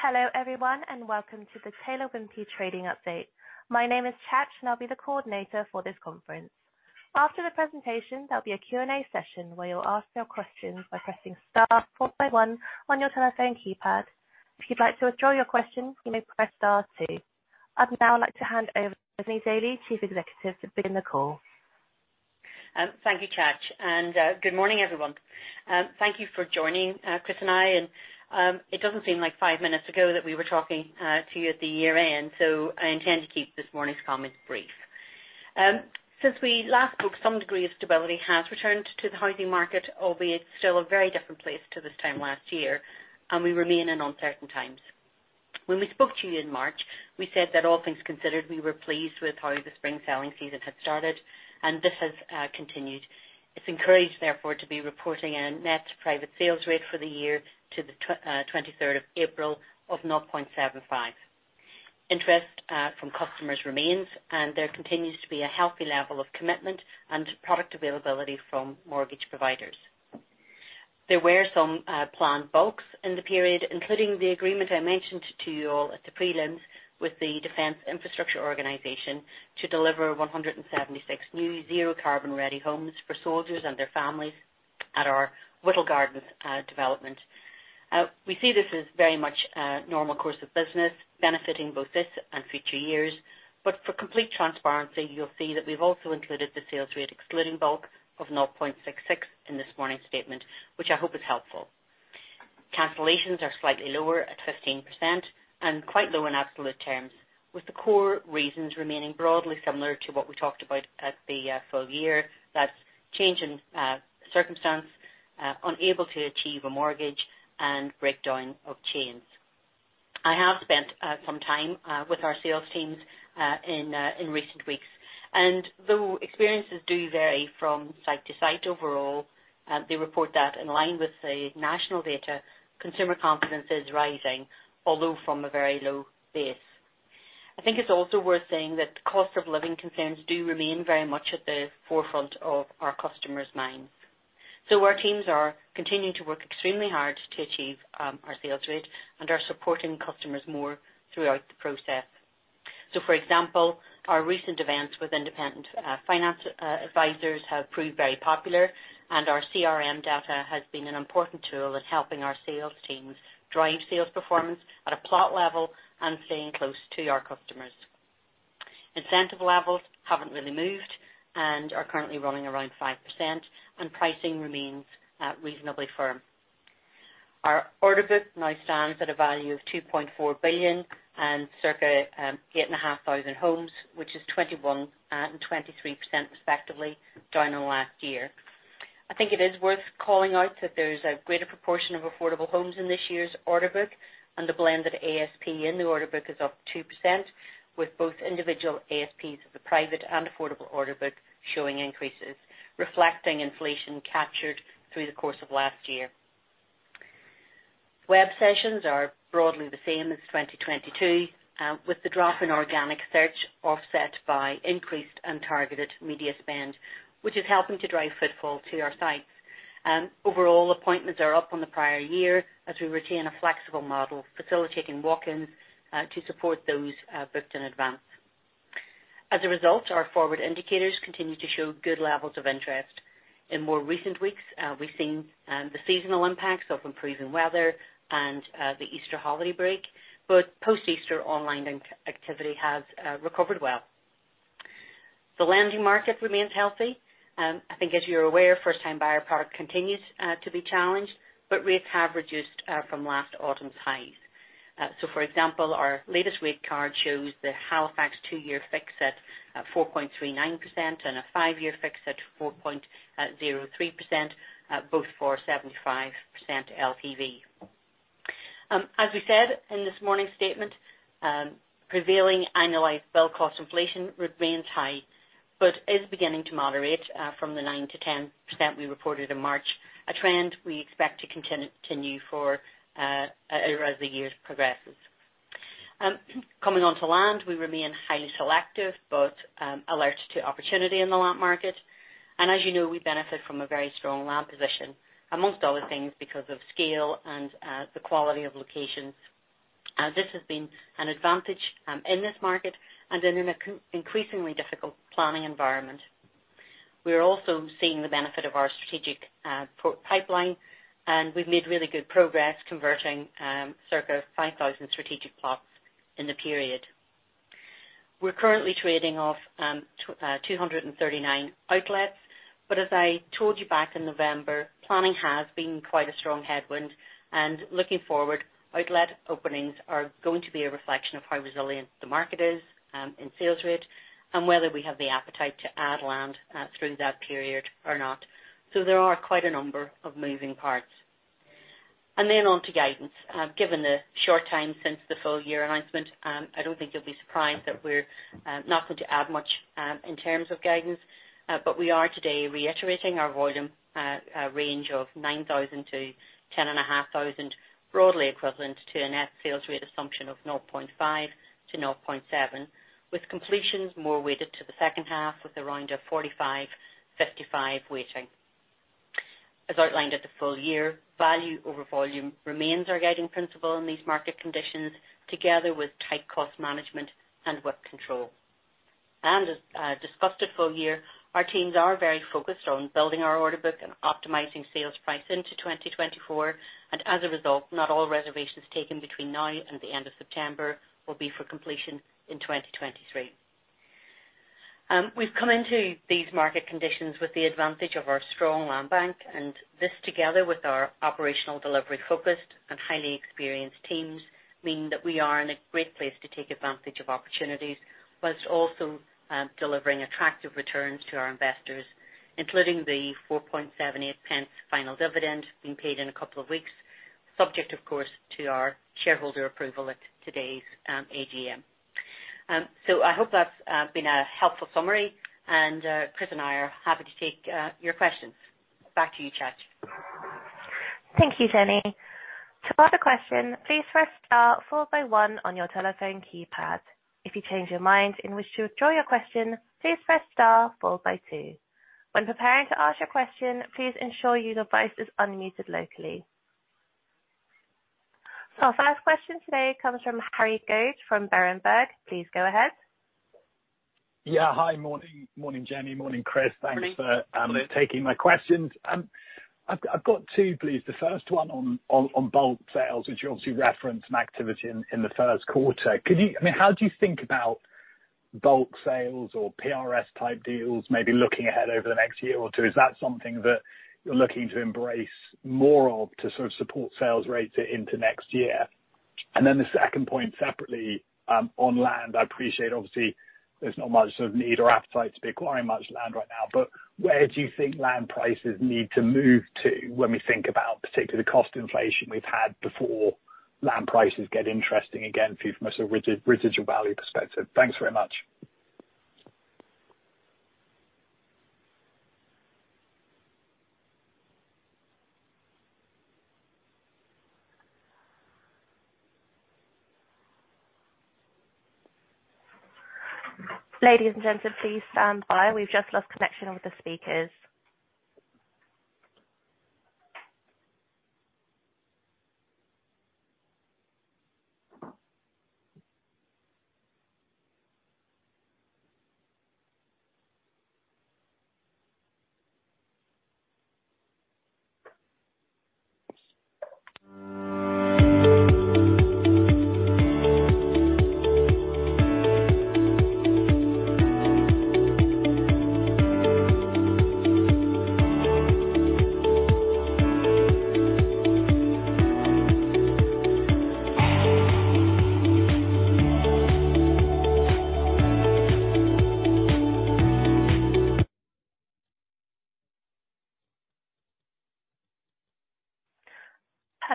Hello, everyone, welcome to the Taylor Wimpey trading update. My name is Chad, and I'll be the coordinator for this conference. After the presentation, there'll be a Q&A session where you'll ask your questions by pressing star four then one on your telephone keypad. If you'd like to withdraw your question, you may press star two. I'd now like to hand over to Jennie Daly, Chief Executive, to begin the call. Thank you, Chad. Good morning, everyone. Thank you for joining Chris and I. It doesn't seem like five minutes ago that we were talking to you at the year-end. I intend to keep this morning's comments brief. Since we last spoke, some degree of stability has returned to the housing market, albeit still a very different place to this time last year, and we remain in uncertain times. When we spoke to you in March, we said that all things considered, we were pleased with how the spring selling season had started, and this has continued. It's encouraged, therefore, to be reporting a net private sales rate for the year to the 23rd of April of 0.75. Interest from customers remains, and there continues to be a healthy level of commitment and product availability from mortgage providers. There were some planned bulks in the period, including the agreement I mentioned to you all at the prelims with the Defence Infrastructure Organisation to deliver 176 new zero carbon-ready homes for soldiers and their families at our Whittle Gardens development. We see this as very much a normal course of business benefiting both this and future years. For complete transparency, you'll see that we've also included the sales rate excluding bulk of 0.66 in this morning's statement, which I hope is helpful. Cancellations are slightly lower at 15% and quite low in absolute terms, with the core reasons remaining broadly similar to what we talked about at the full year. That's change in circumstance, unable to achieve a mortgage and breakdown of chains. I have spent some time with our sales teams in recent weeks, and though experiences do vary from site to site overall, they report that in line with the national data, consumer confidence is rising, although from a very low base. I think it's also worth saying that cost of living concerns do remain very much at the forefront of our customers' minds. Our teams are continuing to work extremely hard to achieve our sales rate and are supporting customers more throughout the process. For example, our recent events with independent finance advisors have proved very popular, and our CRM data has been an important tool in helping our sales teams drive sales performance at a plot level and staying close to our customers. Incentive levels haven't really moved and are currently running around 5%, and pricing remains reasonably firm. Our order book now stands at a value of 2.4 billion and circa 8,500 homes, which is 21% and 23% respectively, down on last year. I think it is worth calling out that there's a greater proportion of affordable homes in this year's order book and the blended ASP in the order book is up 2%, with both individual ASPs of the private and affordable order book showing increases reflecting inflation captured through the course of last year. Web sessions are broadly the same as 2022, with the drop in organic search offset by increased and targeted media spend, which is helping to drive footfall to our sites. Overall appointments are up on the prior year as we retain a flexible model facilitating walk-ins, to support those booked in advance. As a result, our forward indicators continue to show good levels of interest. In more recent weeks, we've seen the seasonal impacts of improving weather and the Easter holiday break. Post-Easter online activity has recovered well. The lending market remains healthy. I think as you're aware, first-time buyer product continues to be challenged, but rates have reduced from last autumn's highs. For example, our latest rate card shows the Halifax 2-year fixed at 4.39% and a 5-year fixed at 4.03%, both for 75% LTV. As we said in this morning's statement, prevailing annualized build cost inflation remains high but is beginning to moderate from the 9%-10% we reported in March, a trend we expect to continue as the year progresses. Coming onto land, we remain highly selective but alert to opportunity in the land market. As you know, we benefit from a very strong land position amongst other things because of scale and the quality of locations. This has been an advantage in this market and in an increasingly difficult planning environment. We are also seeing the benefit of our strategic plot pipeline, and we've made really good progress converting circa 5,000 strategic plots in the period. We're currently trading off 239 outlets. As I told you back in November, planning has been quite a strong headwind. Looking forward, outlet openings are going to be a reflection of how resilient the market is in sales rate and whether we have the appetite to add land through that period or not. There are quite a number of moving parts. On to guidance. Given the short time since the full year announcement, I don't think you'll be surprised that we're not going to add much in terms of guidance. We are today reiterating our volume range of 9,000-10,500-Broadly equivalent to a net sales rate assumption of 0.5-0.7, with completions more weighted to the second half with around a 45, 55 weighting. Outlined at the full year, value over volume remains our guiding principle in these market conditions, together with tight cost management and WIP control. As discussed at full year, our teams are very focused on building our order book and optimizing sales price into 2024. As a result, not all reservations taken between now and the end of September will be for completion in 2023. We've come into these market conditions with the advantage of our strong land bank, and this together with our operational delivery focused and highly experienced teams, mean that we are in a great place to take advantage of opportunities whilst also delivering attractive returns to our investors, including the 4.78 pence final dividend being paid in a couple of weeks. Subject, of course, to our shareholder approval at today's AGM. I hope that's been a helpful summary and Chris and I are happy to take your questions. Back to you, Chad. Thank you, Jennie. To ask a question, please press star four then one on your telephone keypad. If you change your mind in which to withdraw your question, please press star four then two. When preparing to ask your question, please ensure your device is unmuted locally. Our first question today comes from Harry Goad, from Berenberg. Please go ahead. Yeah. Hi. Morning. Morning, Jennie. Morning, Chris. Morning. Thanks for taking my questions. I've got two, please. The first one on bulk sales, which you obviously referenced in activity in the first quarter. I mean, how do you think about bulk sales or PRS type deals, maybe looking ahead over the next year or two? Is that something that you're looking to embrace more of to sort of support sales rates into next year? The second point separately on land. I appreciate obviously there's not much of need or appetite to be acquiring much land right now. Where do you think land prices need to move to when we think about particularly the cost inflation we've had before land prices get interesting again from a sort of residual value perspective? Thanks very much. Ladies and gentlemen, please stand by. We've just lost connection with the speakers.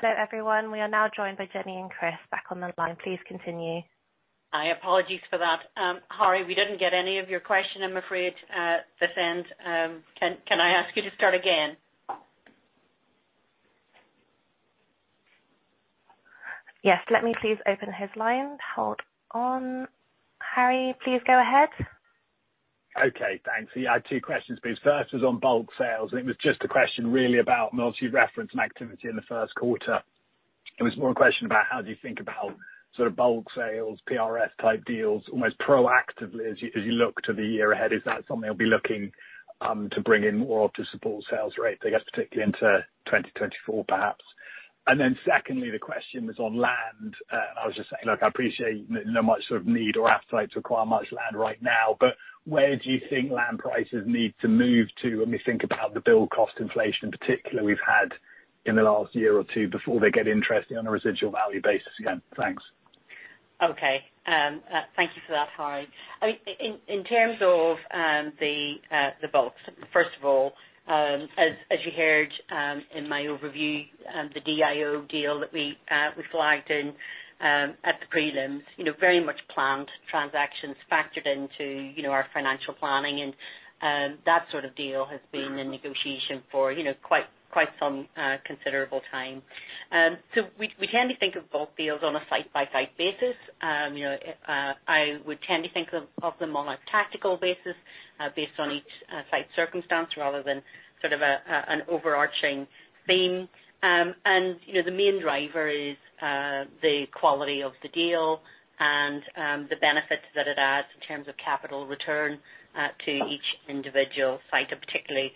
Hello, everyone. We are now joined by Jennie and Chris back on the line. Please continue. I apologize for that. Harry, we didn't get any of your question, I'm afraid, this end. Can I ask you to start again? Yes. Let me please open his line. Hold on. Harry, please go ahead. Okay, thanks. Yeah, I had two questions, please. First was on bulk sales, and it was just a question really about, and obviously you've referenced some activity in the first quarter. It was more a question about how do you think about sort of bulk sales, PRS type deals, almost proactively as you look to the year ahead. Is that something you'll be looking to bring in more to support sales rate, I guess, particularly into 2024 perhaps? Secondly, the question was on land. I was just saying, look, I appreciate not much sort of need or appetite to acquire much land right now, but where do you think land prices need to move to when we think about the build cost inflation in particular we've had in the last year or two before they get interesting on a residual value basis again? Thanks. Okay, thank you for that, Harry. I mean, in terms of the bulk, first of all, as you heard in my overview, the DIO deal that we flagged in at the prelims, you know, very much planned transactions factored into, you know, our financial planning. That sort of deal has been in negotiation for, you know, quite some considerable time. So we tend to think of bulk deals on a site by site basis. You know, I would tend to think of them on a tactical basis, based on each site circumstance rather than an overarching theme. You know, the main driver is the quality of the deal and the benefits that it adds in terms of capital return to each individual site and particularly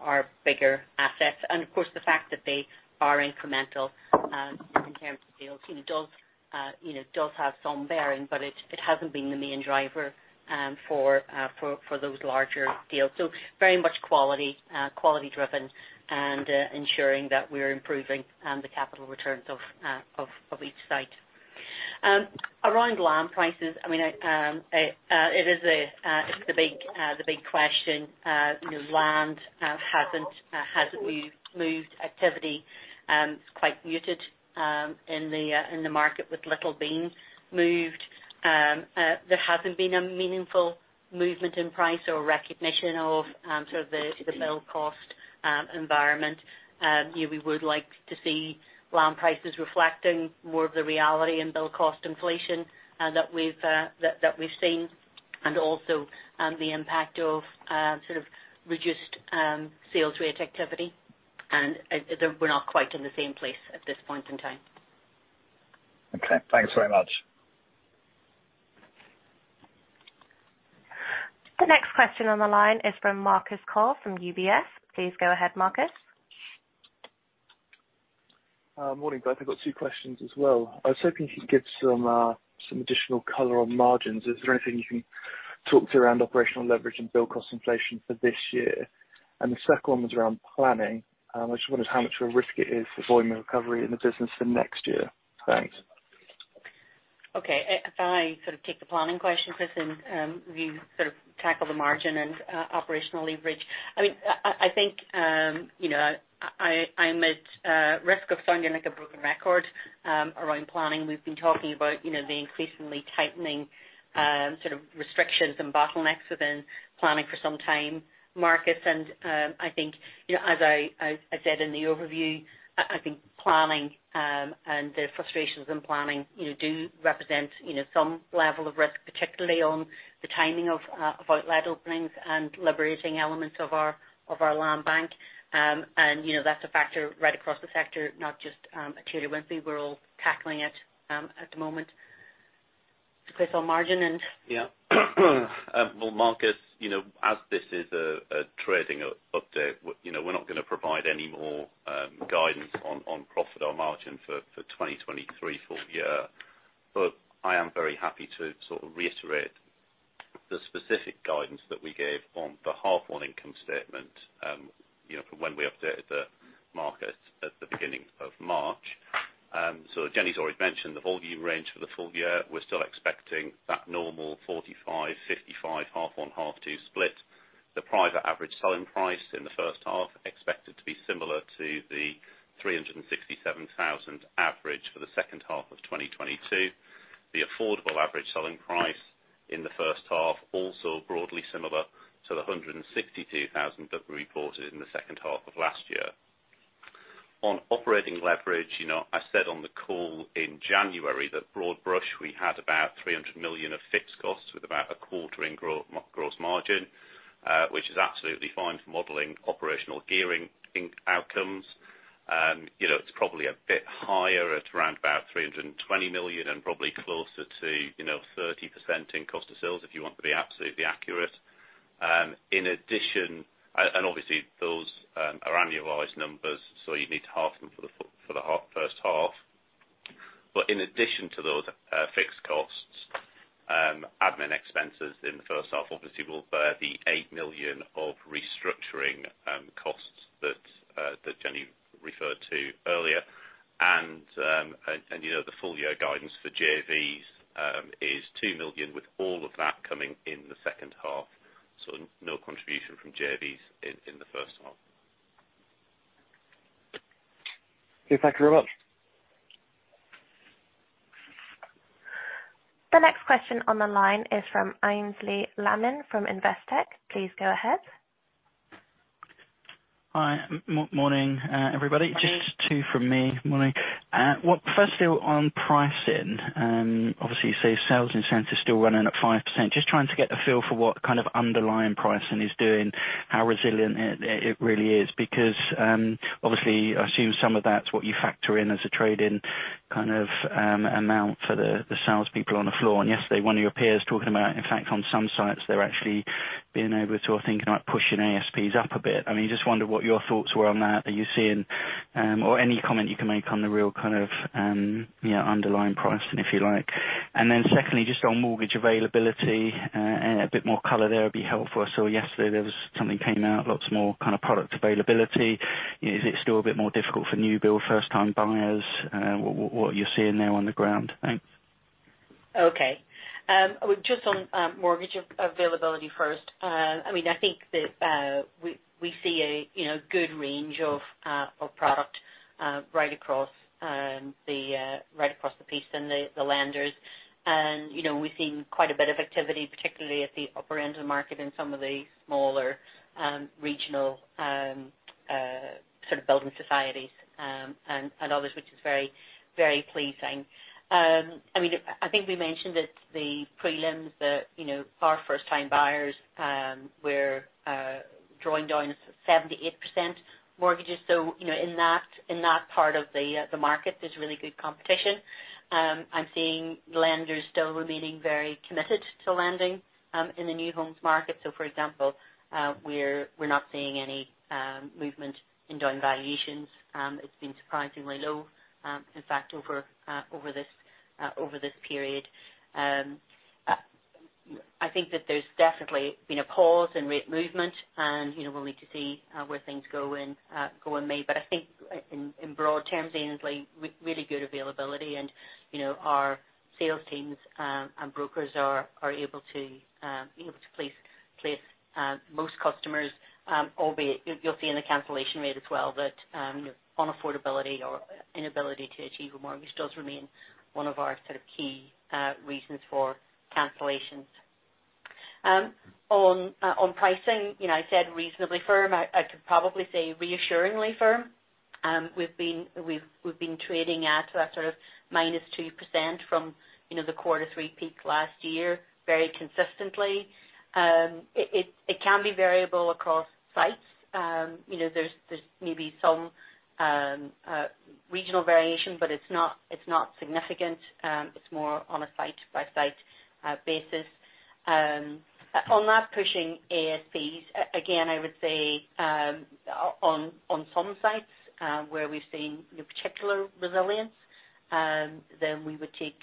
our bigger assets. Of course, the fact that they are incremental in terms of deals, you know, does, you know, does have some bearing, but it hasn't been the main driver for those larger deals. Very much quality driven and ensuring that we're improving the capital returns of each site. Around land prices, I mean, it is a, it's the big, the big question, you know, land hasn't moved activity. It's quite muted in the market with little being moved. There hasn't been a meaningful movement in price or recognition of, sort of the build cost-that environment. Yeah, we would like to see land prices reflecting more of the reality and build cost inflation that we've seen and also, the impact of, sort of reduced, sales rate activity. We're not quite in the same place at this point in time. Okay. Thanks very much. The next question on the line is from Marcus Cole from UBS. Please go ahead, Marcus. Morning, guys. I've got two questions as well. I was hoping you could give some additional color on margins. Is there anything you can talk to around operational leverage and build cost inflation for this year? The second one was around planning, I just wondered how much of a risk it is for volume recovery in the business for next year. Thanks. Okay. If I sort of take the planning question, Chris, and you sort of tackle the margin and operational leverage. I mean, I, I think, you know, I am at risk of sounding like a broken record around planning. We've been talking about, you know, the increasingly tightening sort of restrictions and bottlenecks within planning for some time, Marcus. I think, you know, as I, I said in the overview, I think planning and the frustrations in planning, you know, do represent, you know, some level of risk, particularly on the timing of outlet openings and liberating elements of our, of our land bank. You know, that's a factor right across the sector, not just at Taylor Wimpey. We're all tackling it at the moment. Chris, on margin. Well, Marcus, you know, as this is a trading update, you know, we're not gonna provide any more guidance on profit or margin for 2023 full year. I am very happy to sort of reiterate the specific guidance that we gave on the H1 income statement, you know, for when we updated the market at the beginning of March. Jennie's already mentioned the volume range for the full year. We're still expecting that normal 45-55 H1 on H2 split. The private average selling price in the H1 expected to be similar to the 367,000 average for the H2 of 2022. The affordable average selling price in the H1 also broadly similar to the 162,000 that we reported in the H2 of last year. On operating leverage, you know, I said on the call in January that broad brush, we had about 300 million of fixed costs with about 25% in gross margin, which is absolutely fine for modeling operational gearing outcomes. You know, it's probably a bit higher at around about 320 million and probably closer to, you know, 30% in cost of sales, if you want to be absolutely accurate. In addition, obviously those are annualized numbers, so you'd need to half them for the first half. In addition to those fixed costs, admin expenses in the first half obviously will bear the 8 million of restructuring costs that Jennie referred to earlier. You know, the full year guidance for JVs is 2 million with all of that coming in the second half. No contribution from JVs in the first half. Okay. Thank you very much. The next question on the line is from Aynsley Lammin from Investec. Please go ahead. Hi. Morning, everybody. Morning. Just two from me. Morning. Well, firstly on pricing, obviously you say sales incentive is still running at 5%. Just trying to get a feel for what kind of underlying pricing is doing, how resilient it really is. Because, obviously I assume some of that's what you factor in as a trade-in kind of amount for the salespeople on the floor. Yesterday, one of your peers talking about, in fact, on some sites, they're actually being able to, I think, like, pushing ASPs up a bit. I mean, just wondered what your thoughts were on that. Are you seeing, or any comment you can make on the real kind of, you know, underlying pricing, if you like. Then secondly, just on mortgage availability, and a bit more color there would be helpful. I saw yesterday there was something came out, lots more kind of product availability. Is it still a bit more difficult for new build first time buyers? What are you seeing there on the ground? Thanks. Okay. Just on mortgage availability first. I mean, I think that we see a, you know, good range of product right across the right across the piece and the lenders. You know, we've seen quite a bit of activity, particularly at the upper end of the market in some of the smaller regional sort of building societies and others, which is very, very pleasing. I mean, I think we mentioned at the prelims that, you know, our first time buyers were drawing down 78% mortgages. You know, in that, in that part of the market, there's really good competition. I'm seeing lenders still remaining very committed to lending in the new homes market. For example, we're not seeing any movement in down valuations. It's been surprisingly low, in fact over this period. I think that there's definitely been a pause in rate movement and, you know, we'll need to see where things go in May. I think in broad terms, Aynsley Lammin, really good availability and, you know, our sales teams and brokers are able to place most customers, albeit you'll see in the cancellation rate as well that unaffordability or inability to achieve a mortgage does remain one of our sort of key reasons for cancellations. On pricing, you know, I said reasonably firm. I could probably say reassuringly firm. We've been trading at that sort of -2% from, you know, the quarter three peak last year very consistently. It can be variable across sites. You know, there's maybe some regional variation, but it's not significant. It's more on a site-by-site basis. On that pushing ASPs, again, I would say, on some sites, where we've seen the particular resilience, then we would take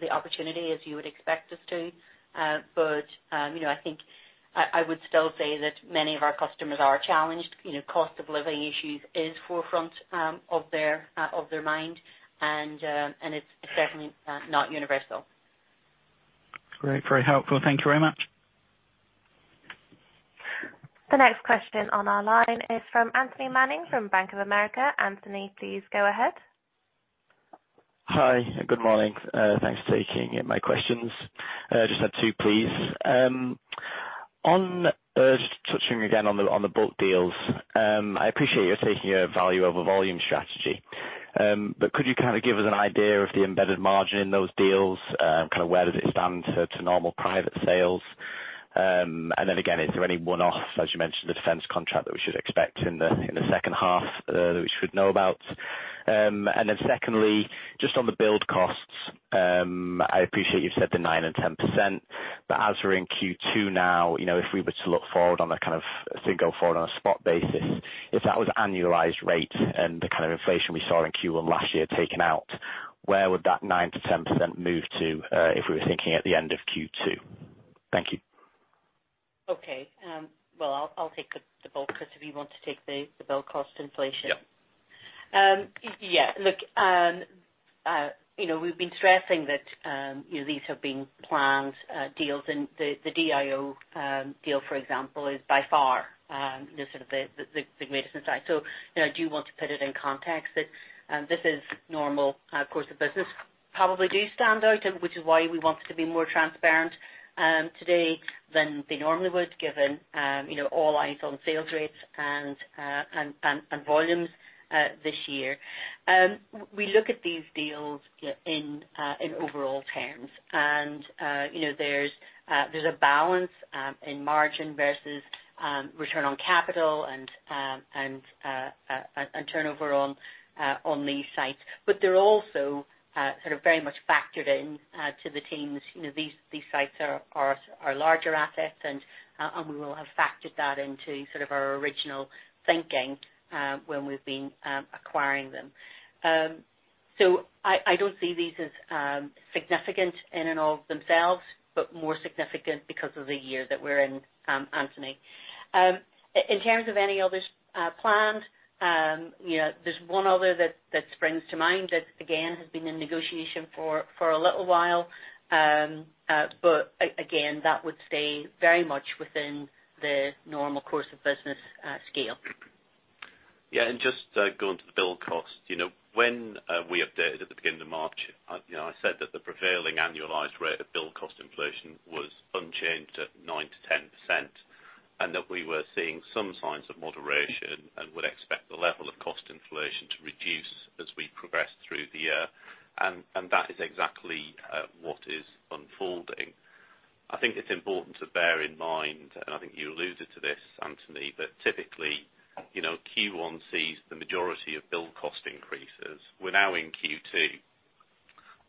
the opportunity as you would expect us to. You know, I think I would still say that many of our customers are challenged. You know, cost of living issues is forefront of their mind and it's certainly not universal. Great. Very helpful. Thank you very much. The next question on our line is from Anthony Manning from Bank of America. Anthony, please go ahead. Hi, good morning. Thanks for taking my questions. Just have two, please. On, just touching again on the bulk deals, I appreciate you're taking a value over volume strategy. Could you kind of give us an idea of the embedded margin in those deals? Kind of where does it stand to normal private sales? Again, is there any one-off, as you mentioned, the defense contract that we should expect in the second half that we should know about? Secondly, just on the build costs, I appreciate you've said the 9% and 10%, but as we're in Q2 now, you know, if we were to look forward on a kind of single forward on a spot basis, if that was annualized rate and the kind of inflation we saw in Q1 last year taken out, where would that 9%-10% move to if we were thinking at the end of Q2? Thank you. Okay. Well, I'll take the bulk, Chris, if you want to take the build cost inflation. Yeah. Yeah. Look, you know, we've been stressing that, you know, these have been planned deals and the DIO deal, for example, is by far, you know, sort of the greatest in size. So, you know, I do want to put it in context that this is normal course of business. Probably do stand out and which is why we wanted to be more transparent today than we normally would given, you know, all eyes on sales rates and and volumes this year. We look at these deals in overall terms and, you know, there's a balance in margin versus return on capital and and turnover on these sites. They're also, sort of very much factored in to the teams. You know, these sites are larger assets and we will have factored that into sort of our original thinking when we've been acquiring them. I don't see these as significant in and of themselves, but more significant because of the year that we're in, Anthony. In terms of any others planned, you know, there's one other that springs to mind that again, has been in negotiation for a little while. Again, that would stay very much within the normal course of business scale. Yeah. Just going to the build cost. You know, when we updated at the beginning of March, I, you know, I said that the prevailing annualized rate of build cost inflation was unchanged at 9%-10%, and that we were seeing some signs of moderation and would expect the level of cost inflation to reduce as we progress through the year. That is exactly what is unfolding. I think it's important to bear in mind, and I think you alluded to this, Anthony, but typically, you know, Q1 sees the majority of build cost increases. We're now in Q2,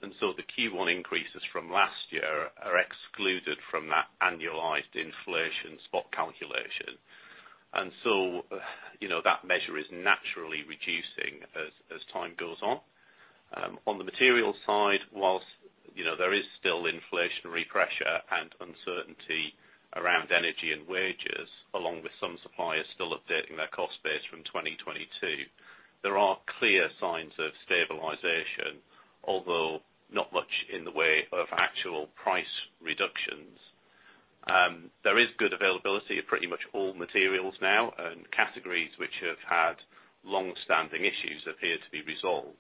the Q1 increases from last year are excluded from that annualized inflation spot calculation. You know, that measure is naturally reducing as time goes on. On the material side, whilst, you know, there is still inflationary pressure and uncertainty around energy and wages, along with some suppliers still updating their cost base from 2022, there are clear signs of stabilization, although not much in the way of actual price reductions. There is good availability of pretty much all materials now and categories which have had long-standing issues appear to be resolved.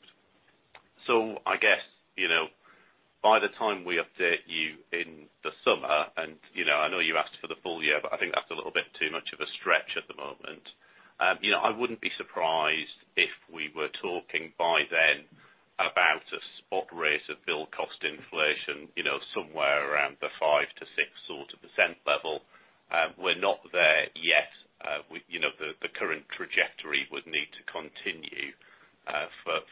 I guess, you know, by the time we update you in the summer and you know, I know you asked for the full year, but I think that's a little bit too much of a stretch at the moment. You know, I wouldn't be surprised if we were talking by then about a spot rate of build cost inflation, you know, somewhere around the 5%-6% level. We're not there yet. You know, the current trajectory would need to continue,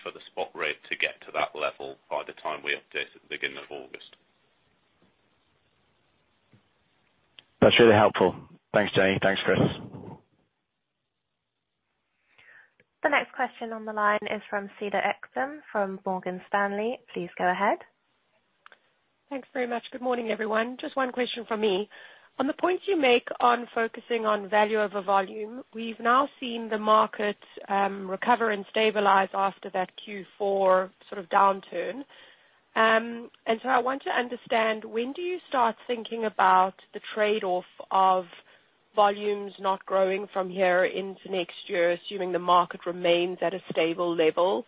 for the spot rate to get to that level by the time we update at the beginning of August. That's really helpful. Thanks, Jennie. Thanks, Chris. The next question on the line is from Cedar Ekblom from Morgan Stanley. Please go ahead. Thanks very much. Good morning, everyone. Just one question from me. On the point you make on focusing on value over volume, we've now seen the market, recover and stabilize after that Q4 sort of downturn. I want to understand when do you start thinking about the trade-off of volumes not growing from here into next year, assuming the market remains at a stable level,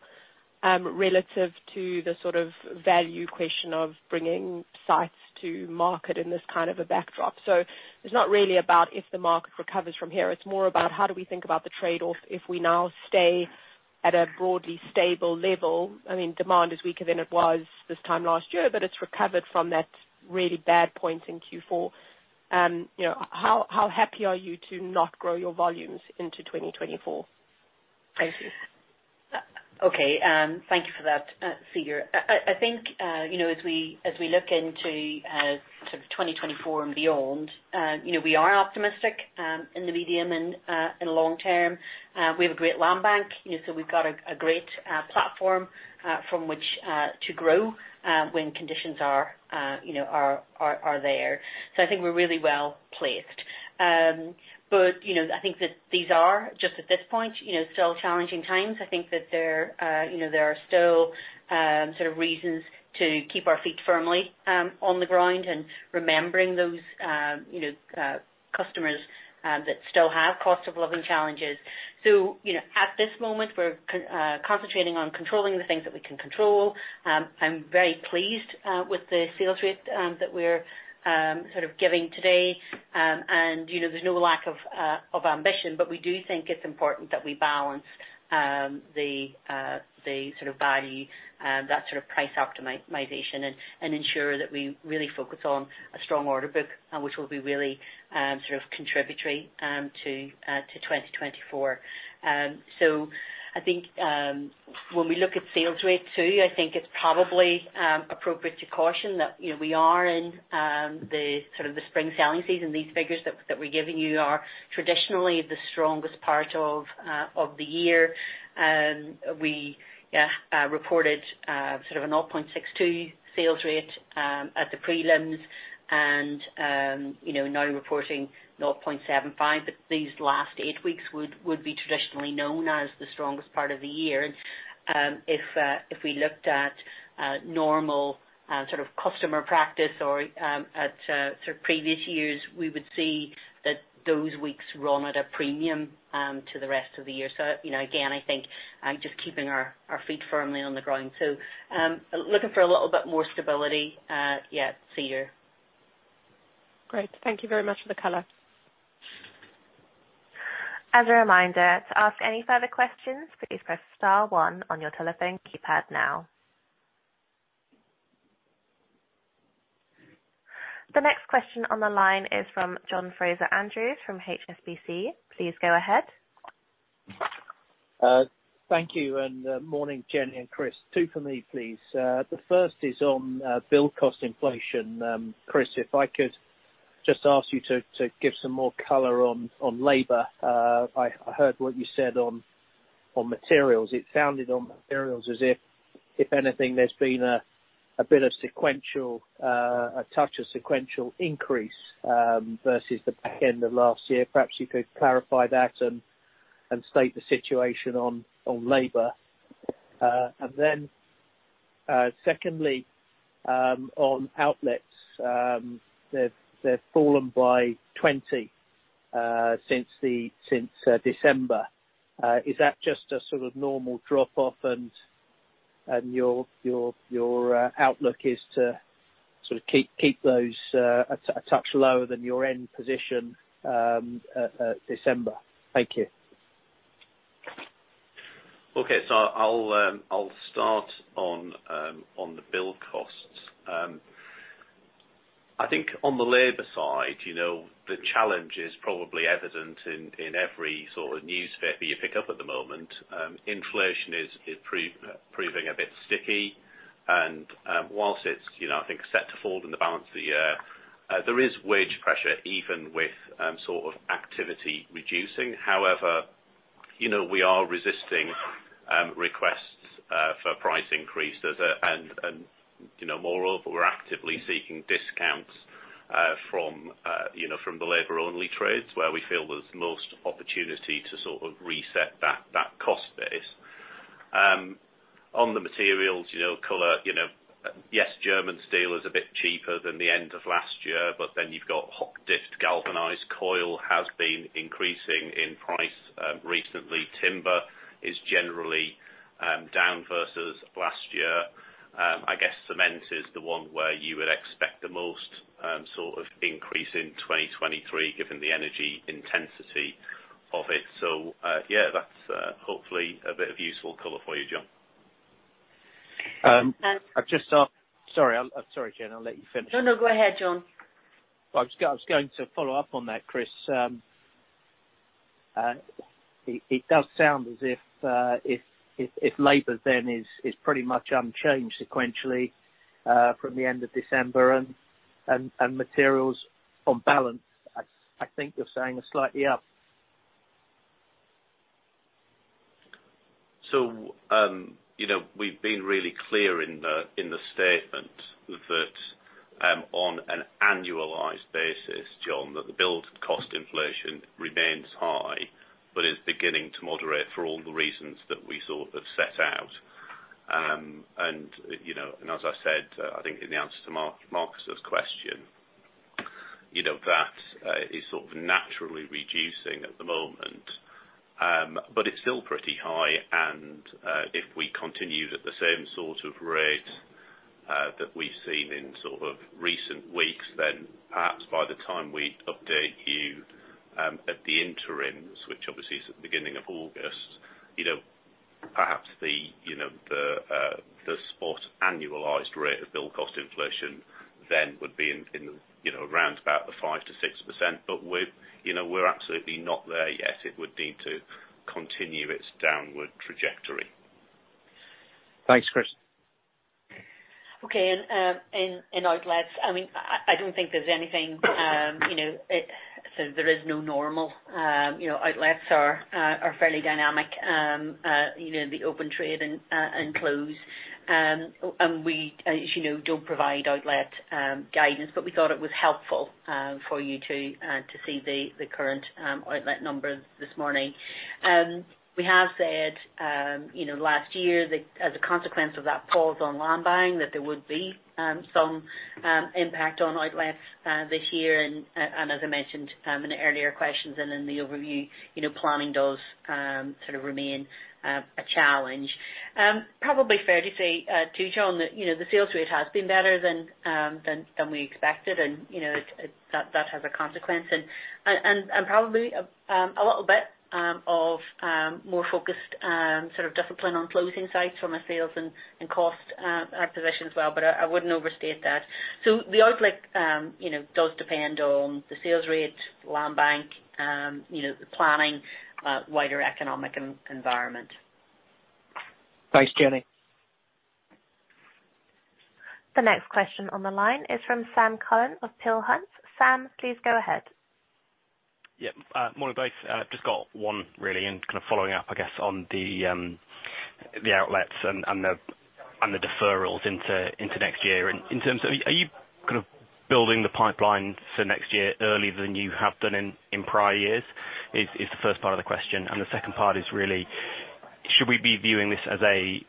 relative to the sort of value question of bringing sites to market in this kind of a backdrop. It's not really about if the market recovers from here, it's more about how do we think about the trade-off if we now stay at a broadly stable level. Demand is weaker than it was this time last year, but it's recovered from that really bad point in Q4. You know, how happy are you to not grow your volumes into 2024? Thank you. Okay, thank you for that, Cedar. I think, you know, as we look into, sort of 2024 and beyond, you know, we are optimistic, in the medium and, in the long term. We have a great land bank, you know, so we've got a great platform, from which, to grow, when conditions are, you know, are there. I think we're really well-placed. You know, I think that these are just at this point, you know, still challenging times. I think that there, you know, there are still, sort of reasons to keep our feet firmly, on the ground and remembering those, you know, customers, that still have cost of living challenges. You know, at this moment, we're concentrating on controlling the things that we can control. I'm very pleased with the sales rate that we're sort of giving today. You know, there's no lack of ambition, but we do think it's important that we balance the sort of value that sort of price optimization and ensure that we really focus on a strong order book, which will be really sort of contributory to 2024. I think when we look at sales rate too, I think it's probably appropriate to caution that, you know, we are in the sort of the spring selling season. These figures that we're giving you are traditionally the strongest part of the year. We reported sort of a 0.62 sales rate at the prelims and, you know, now reporting 0.75. These last eight weeks would be traditionally known as the strongest part of the year. If we looked at normal sort of customer practice or at sort of previous years, we would see that those weeks run at a premium to the rest of the year. You know, again, I think I'm just keeping our feet firmly on the ground. Looking for a little bit more stability, yeah, Cedar. Great. Thank you very much for the color. As a reminder, to ask any further questions, please press star one on your telephone keypad now. The next question on the line is from John Fraser-Andrews from HSBC. Please go ahead. Thank you, and morning, Jennie and Chris. 2 for me, please. The first is on build cost inflation. Chris, if I could just ask you to give some more color on labor. I heard what you said on materials. It sounded on materials as if anything, there's been a bit of sequential, a touch of sequential increase versus the back end of last year. Perhaps you could clarify that and state the situation on labor. Then, secondly, on outlets, they've fallen by 20 since the since December. Is that just a sort of normal drop-off and your outlook is to sort of keep those, a touch lower than your end position, at December? Thank you. Okay. I'll start on the build costs. I think on the labor side, you know, the challenge is probably evident in every sort of newspaper you pick up at the moment. Inflation is, proving a bit sticky and, whilst it's, you know, I think set to fall in the balance of the year, there is wage pressure even with, sort of activity reducing. However, you know, we are resisting, requests, for price increases. You know, moreover, we're actively seeking discounts, from, you know, from the labor-only trades, where we feel there's most opportunity to sort of reset that cost base. On the materials, you know, color, you know, yes, German steel is a bit cheaper than the end of last year. You've got hot-dip galvanized coil has been increasing in price, recently. Timber is generally, down versus last year. I guess cement is the one where you would expect the most, sort of increase in 2023, given the energy intensity of it. Yeah, that's, hopefully a bit of useful color for you, John. I'll just ask- Um- Sorry, Jen, I'll let you finish. No, no, go ahead, John. I was going to follow up on that, Chris. It does sound as if labor then is pretty much unchanged sequentially from the end of December and materials on balance, I think you're saying are slightly up. You know, we've been really clear in the, in the statement that, on an annualized basis, John, that the build cost inflation. The reasons that we sort of set out, and, you know, and as I said, I think in the answer to Marcus' question, you know, that is sort of naturally reducing at the moment. But it's still pretty high and, if we continue at the same sort of rate that we've seen in sort of recent weeks, then perhaps by the time we update you at the interims, which obviously is at the beginning of August, you know, perhaps the, you know, the spot annualized rate of build cost inflation then would be in, you know, around about the 5%-6%. We've. You know, we're absolutely not there yet. It would need to continue its downward trajectory. Thanks, Chris. Okay. outlets, I mean, I don't think there's anything, you know. There is no normal. You know, outlets are fairly dynamic. You know, the open trade and close. We, as you know, don't provide outlet guidance, but we thought it was helpful for you to see the current outlet numbers this morning. We have said, you know, last year that as a consequence of that pause on land buying, that there would be some impact on outlets this year. As I mentioned, in the earlier questions and in the overview, you know, planning does sort of remain a challenge. Probably fair to say, too, John, that, you know, the sales rate has been better than we expected. You know, that has a consequence. Probably a little bit of more focused sort of discipline on closing sites from a sales and cost acquisition as well, but I wouldn't overstate that. The outlet, you know, does depend on the sales rate, land bank, you know, the planning, wider economic environment. Thanks, Jennie. The next question on the line is from Sam Cullen of Peel Hunt. Sam, please go ahead. Yeah. Morning, both. Just got one really and kind of following up, I guess, on the outlets and the deferrals into next year. In terms of, are you kind of building the pipeline for next year earlier than you have done in prior years? Is the first part of the question. The second part is really, should we be viewing this as a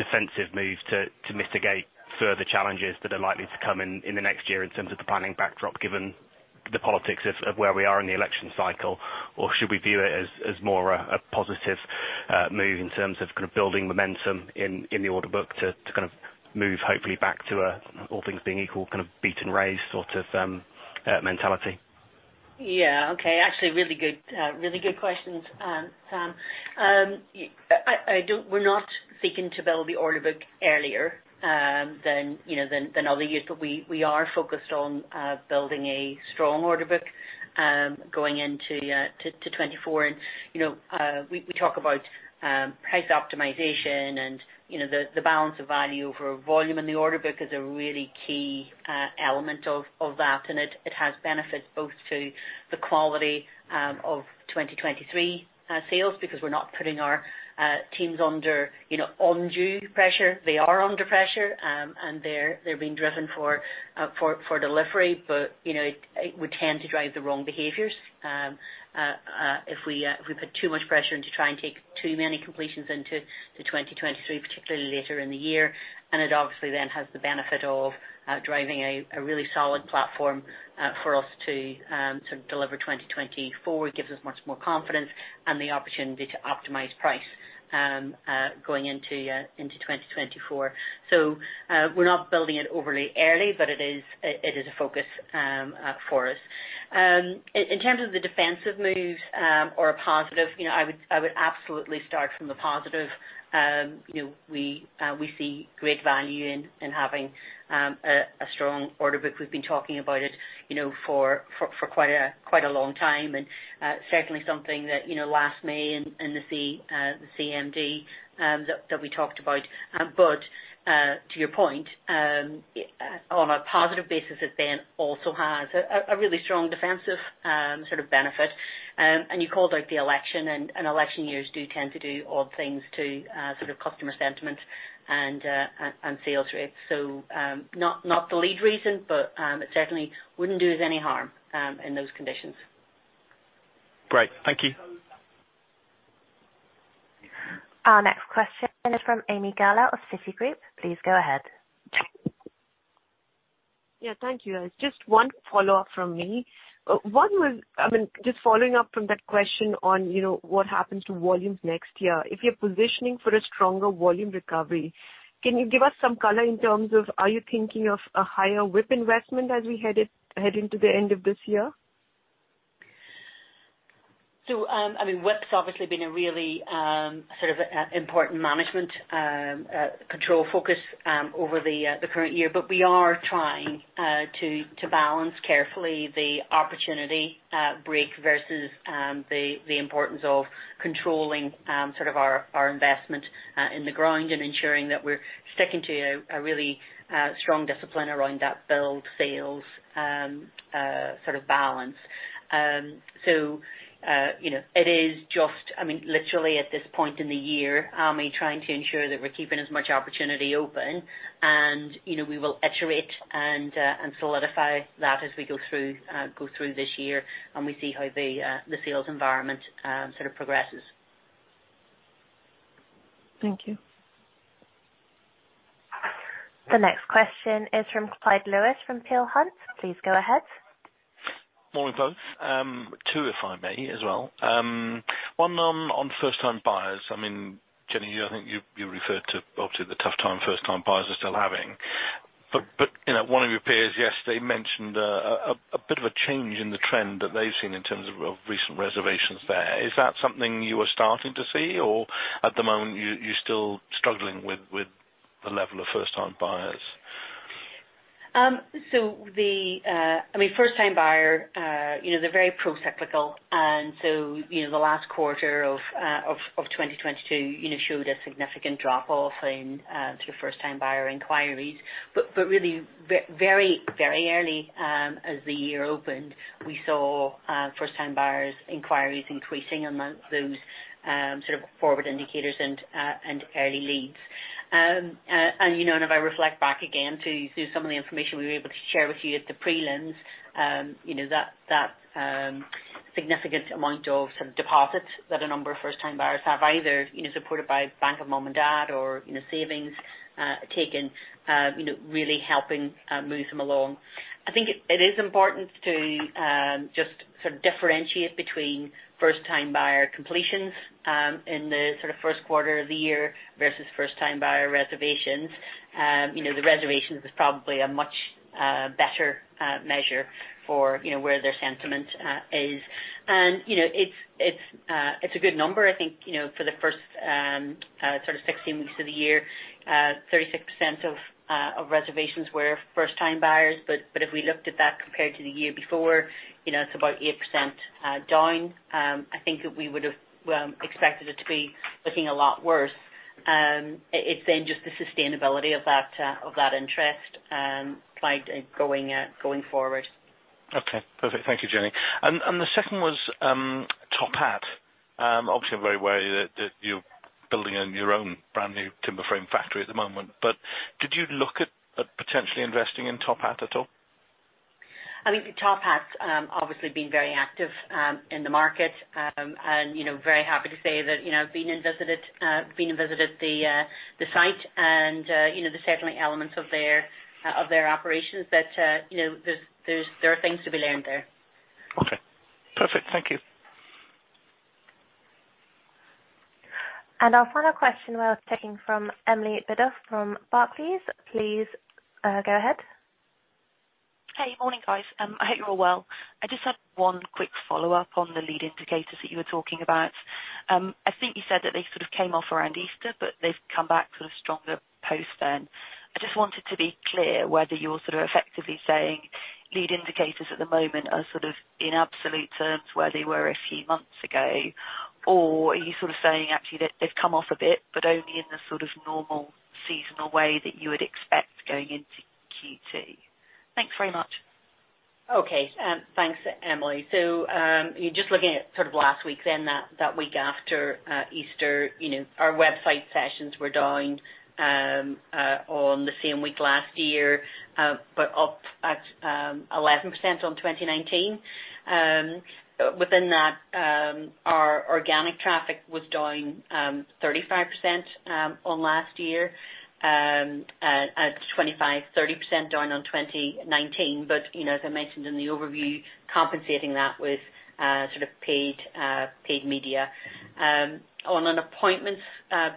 defensive move to mitigate further challenges that are likely to come in the next year in terms of the planning backdrop, given the politics of where we are in the election cycle? Should we view it as more a positive move in terms of kind of building momentum in the order book to kind of move hopefully back to a all things being equal, kind of beat and raise sort of mentality? Yeah. Okay. Actually, really good, really good questions, Sam. We're not seeking to build the order book earlier than, you know, than other years, but we are focused on building a strong order book going into 2024. You know, we talk about price optimization and, you know, the balance of value over volume in the order book is a really key element of that. It has benefits both to the quality of 2023 sales because we're not putting our teams under, you know, undue pressure. They are under pressure, and they're being driven for delivery, but, you know, it would tend to drive the wrong behaviors if we put too much pressure into trying to take too many completions into 2023, particularly later in the year. It obviously then has the benefit of driving a really solid platform for us to sort of deliver 2024. It gives us much more confidence and the opportunity to optimize price going into 2024. We're not building it overly early, but it is a focus for us. In terms of the defensive moves, or a positive, you know, I would absolutely start from the positive. You know, we see great value in having a strong order book. We've been talking about it, you know, for quite a long time. Certainly something that, you know, last May in the CMD we talked about. To your point, on a positive basis, it then also has a really strong defensive sort of benefit. You called out the election and election years do tend to do odd things to sort of customer sentiment and sales rates. Not the lead reason, but it certainly wouldn't do us any harm in those conditions. Great. Thank you. Our next question is from Ami Galla of Citigroup. Please go ahead. Yeah. Thank you, guys. Just one follow-up from me. One was, I mean, just following up from that question on, you know, what happens to volumes next year. If you're positioning for a stronger volume recovery, can you give us some color in terms of are you thinking of a higher WIP investment as we head into the end of this year? I mean, WIP's obviously been a really important management control focus over the current year. We are trying to balance carefully the opportunity break versus the importance of controlling our investment in the ground and ensuring that we're sticking to a really strong discipline around that build sales balance. You know, it is just, I mean, literally at this point in the year, Ami, trying to ensure that we're keeping as much opportunity open and, you know, we will iterate and solidify that as we go through go through this year and we see how the sales environment progresses. Thank you. The next question is from Clyde Lewis from Peel Hunt. Please go ahead. Morning, folks. two, if I may as well. one on first-time buyers. I mean, Jennie, I think you referred to obviously the tough time first-time buyers are still having. You know, one of your peers yesterday mentioned a bit of a change in the trend that they've seen in terms of recent reservations there. Is that something you are starting to see? At the moment, you still struggling with the level of first-time buyers? I mean, first-time buyer, you know, they're very procyclical and so, you know, the last quarter of 2022, you know, showed a significant drop-off in sort of first-time buyer inquiries. Really very, very early, as the year opened, we saw first-time buyers inquiries increasing amongst those sort of forward indicators and early leads. You know, if I reflect back again to some of the information we were able to share with you at the prelims, you know, that significant amount of sort of deposits that a number of first-time buyers have either, you know, supported by Bank of Mum and Dad or, you know, savings, taken, you know, really helping move them along. I think it is important to just sort of differentiate between first-time buyer completions in the sort of first quarter of the year versus first-time buyer reservations. You know, the reservations is probably a much better measure for, you know, where their sentiment is. You know, it's a good number I think, you know, for the first sort of 16 weeks of the year, 36% of reservations were first-time buyers. If we looked at that compared to the year before, you know, it's about 8% down. I think that we would've expected it to be looking a lot worse. It's then just the sustainability of that of that interest, Clyde, going forward. Okay. Perfect. Thank you, Jennie. The second was TopHat. Obviously I'm very aware that you're building your own brand new timber frame factory at the moment. Did you look at potentially investing in TopHat at all? I think TopHat's obviously been very active in the market. You know, very happy to say that, you know, been and visited the site and, you know, there's certainly elements of their operations that, you know, there are things to be learned there. Okay. Perfect. Thank you. Our final question we're taking from Emily Biddulph from Barclays. Please, go ahead. Hey. Morning, guys. I hope you're all well. I just had 1 quick follow-up on the lead indicators that you were talking about. I think you said that they sort of came off around Easter, but they've come back sort of stronger post then. I just wanted to be clear whether you're sort of effectively saying lead indicators at the moment are sort of in absolute terms where they were a few months ago. Are you sort of saying actually that they've come off a bit, but only in the sort of normal seasonal way that you would expect going into Q2? Thanks very much. Okay. thanks, Emily. just looking at sort of last week then that week after Easter, you know, our website sessions were down on the same week last year, but up at 11% on 2019. within that, our organic traffic was down 35% on last year, at 25%, 30% down on 2019. You know, as I mentioned in the overview, compensating that with sort of paid paid media. on an appointments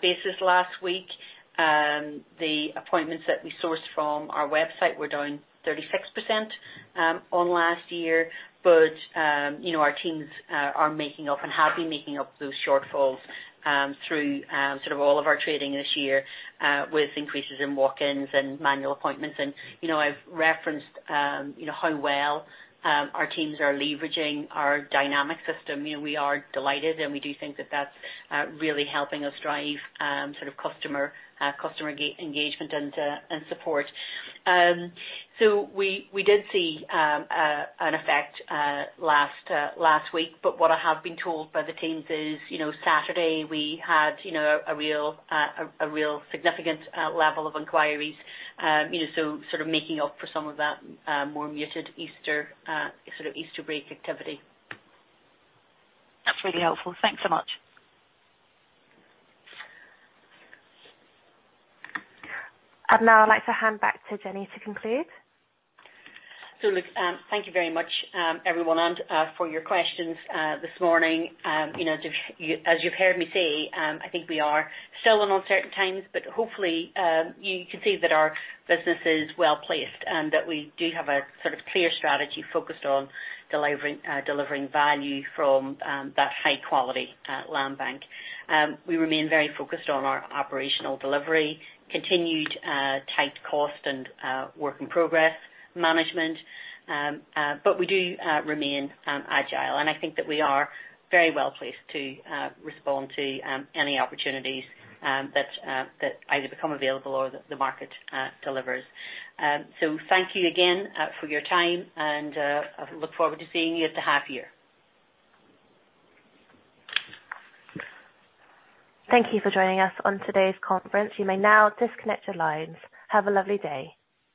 basis last week, the appointments that we sourced from our website were down 36% on last year. You know, our teams are making up and have been making up those shortfalls through sort of all of our trading this year with increases in walk-ins and manual appointments. You know, I've referenced, you know, how well our teams are leveraging our dynamic system. You know, we are delighted, and we do think that that's really helping us drive sort of customer engagement and support. We did see an effect last week, but what I have been told by the teams is, you know, Saturday we had, you know, a real significant level of inquiries, you know, so sort of making up for some of that more muted Easter sort of Easter break activity. That's really helpful. Thanks so much. Now I'd like to hand back to Jennie to conclude. Look, thank you very much, everyone, and for your questions this morning. You know, as you've heard me say, I think we are still in uncertain times, but hopefully, you can see that our business is well-placed, and that we do have a sort of clear strategy focused on delivering value from that high quality land bank. We remain very focused on our operational delivery, continued tight cost and work in progress management. We do remain agile, and I think that we are very well placed to respond to any opportunities that either become available or the market delivers. Thank you again for your time and I look forward to seeing you at the half year. Thank you for joining us on today's conference. You may now disconnect your lines. Have a lovely day.